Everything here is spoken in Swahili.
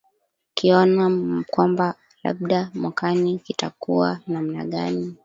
kiona kwamba labda mwakani kitakua namna gani